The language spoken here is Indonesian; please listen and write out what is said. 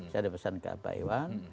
saya ada pesan ke pak iwan